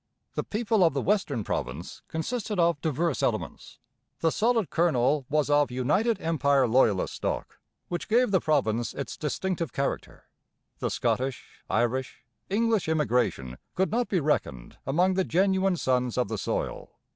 The people of the western province consisted of diverse elements. The solid kernel was of United Empire Loyalist stock, which gave the province its distinctive character. The Scottish, Irish, English immigration could not be reckoned among the genuine sons of the soil.